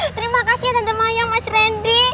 terima kasih ya tante mayang mas randy